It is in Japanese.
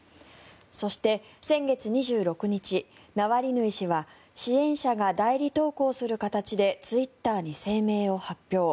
そして先月２６日ナワリヌイ氏は支援者が代理投稿する形でツイッターに声明を発表。